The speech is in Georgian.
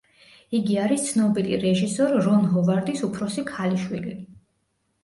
იგი არის ცნობილი რეჟისორ რონ ჰოვარდის უფროსი ქალიშვილი.